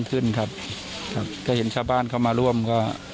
เพราะพอทำนาน้ยละ